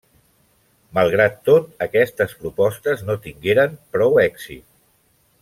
Malgrat tot, aquestes propostes no tingueren prou èxit.